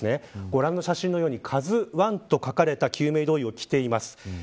ご覧の写真のようにＫＡＺＵ１と書かれた救命胴衣を着ています。